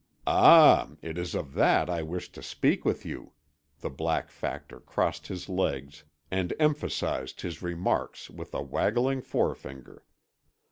"Ah, it is of that I wished to speak with you," the Black Factor crossed his legs and emphasized his remarks with a waggling forefinger.